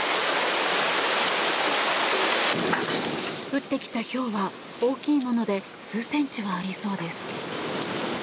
降ってきたひょうは大きいもので数センチはありそうです。